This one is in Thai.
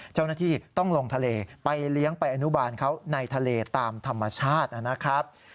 เจ้าหน้าที่ต้องลงทะเลไปเลี้ยงไปอนุบาลเขาในทะเลตามธรรมชาตินะครับ